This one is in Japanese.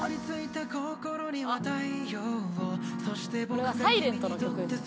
「これは『ｓｉｌｅｎｔ』の曲です」